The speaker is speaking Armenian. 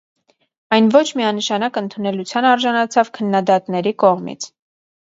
Այն ոչ միանշանակ ընդունելության արժանացավ քննադատների կողմից։